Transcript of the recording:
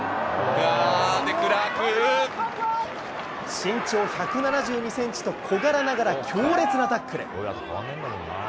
身長１７２センチと小柄ながら強烈なタックル。